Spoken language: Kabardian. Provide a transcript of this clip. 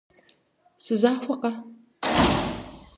Сызахуэкъэ?